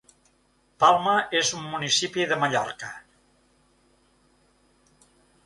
Palma és un municipi de Mallorca.